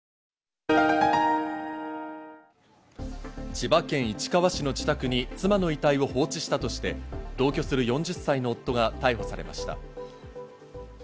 千葉県市川市の自宅に妻の遺体を放置したとして、同居する４０歳の夫が逮捕されました。